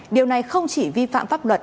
điều này không chỉ vi phạm pháp luật